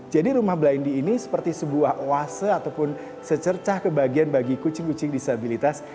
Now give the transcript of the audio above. jadi rumah blendy ini seperti sebuah oase ataupun secercah kebahagiaan bagi kucing kucing disabilitas